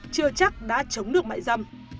chưa chắc đã chống được mại dâm